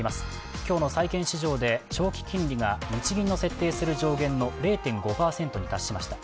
今日の債券市場で長期金利が長期金利が日銀の設定する上限の０．５％に達しました。